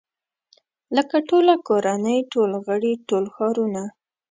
لکه ټوله کورنۍ ټول غړي ټول ښارونه.